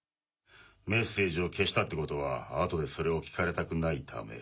メッセージを消したってことは後でそれを聞かれたくないため。